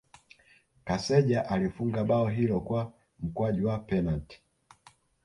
Kaseja alifunga bao hilo kwa mkwaju wa penalti